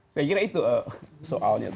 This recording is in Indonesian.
saya kira itu soalnya